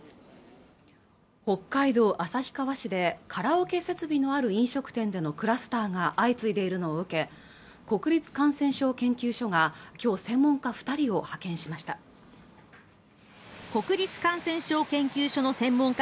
北海道旭川市でカラオケ設備のある飲食店でのクラスターが相次いでいるのを受け国立感染症研究所がきょう専門家二人を派遣しました国立感染症研究所の専門家